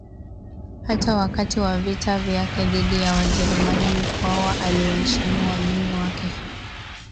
Hata wakati wa vita vyake dhidi ya Wajerumani Mkwawa aliwaheshimu wageni wake h